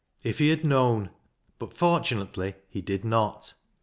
If he had known — but fortun ately he did not.